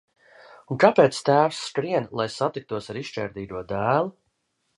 Un kāpēc tēvs skrien, lai satiktos ar izšķērdīgo dēlu?